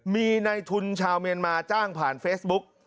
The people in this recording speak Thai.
มีในทุนชาวเมียนมาจ้างผ่านเฟซบุ๊ก